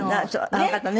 あの方ね